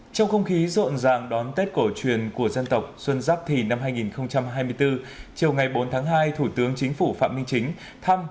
trong không khí rộn ràng đón tết cổ truyền của dân tộc xuân giáp thì năm hai nghìn hai mươi bốn chiều ngày bốn tháng hai thủ tướng chính phủ phạm minh chính thăm